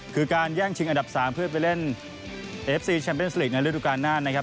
คือการแย่งชิงอันดับ๓เพื่อไปเล่นเอฟซีแชมเปญสลีกในฤดูการหน้านะครับ